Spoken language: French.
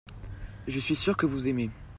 je suis sûr que vous aimez.